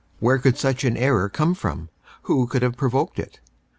"Where could such an error come from? Who could have provoked it?...